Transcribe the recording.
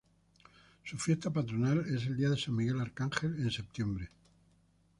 Su fiesta patronal es el día de san Miguel Arcángel en septiembre.